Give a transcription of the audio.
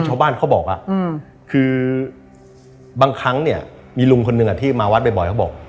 ชาวบ้านเขาบอกคือบางครั้งเนี่ยมีลุงคนหนึ่งที่มาวัดบ่อยเขาบอก